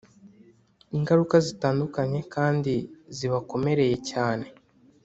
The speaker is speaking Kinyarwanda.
Ingaruka zitandukanye kandi zibakomereye cyane